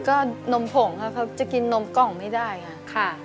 ก็นมผงค่ะเขาจะกินนมกล่องไม่ได้ค่ะ